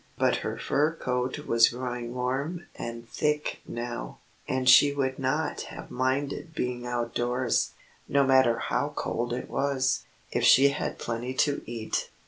But her fur coat was growing warm and thick now, and she would not have minded being outdoors, no matter how cold it was, if she had plenty to eat.